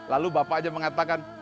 lalu bapak aja mengatakan